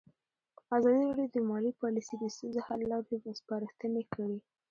ازادي راډیو د مالي پالیسي د ستونزو حل لارې سپارښتنې کړي.